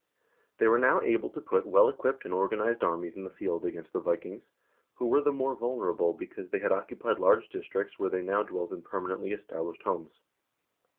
They were now able to put well equipped and organized armies in the field against the Vikings, who were the more vulnerable because they had occupied large districts where they now dwelt in permanently established homes.